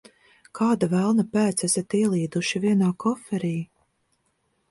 Kāda velna pēc esat ielīduši vienā koferī?